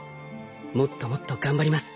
もっともっと頑張ります。